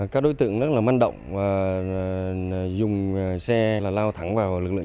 các đối tượng rất là man động dùng xe lao thẳng vào lực lượng